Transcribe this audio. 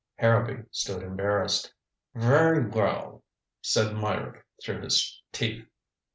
Harrowby stood embarrassed. "Very well," said Meyrick through his teeth.